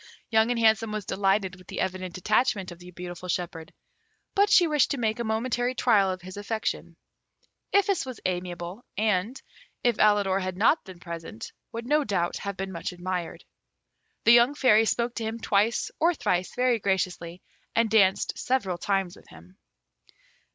Young and Handsome was delighted with the evident attachment of the beautiful shepherd; but she wished to make a momentary trial of his affection. Iphis was amiable, and, if Alidor had not been present, would no doubt have been much admired. The young Fairy spoke to him twice or thrice very graciously, and danced several times with him.